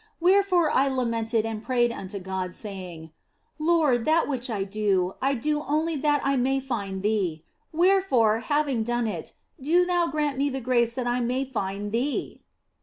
Wherefore I lamented and prayed unto God, saying :" Lord, that which I do, I do only that I may find Thee ; wherefore, having done it, do Thou grant me the grace that I may find Thee."